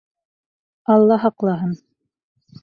Алла һаҡлаһын.